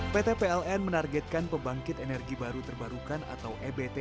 pt pln menargetkan pembangkit energi baru terbarukan atau ebt